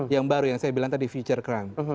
yang baru yang saya bilang tadi future crime